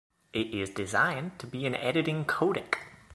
It is designed to be an editing codec.